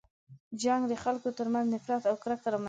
جنګ د خلکو تر منځ نفرت او کرکه رامنځته کوي.